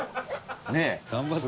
ねえ。